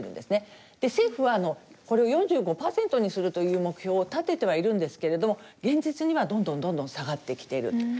で政府はこれを４５％にするという目標を立ててはいるんですけれども現実にはどんどんどんどん下がってきていると。